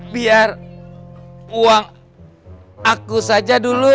biar uang aku saja dulu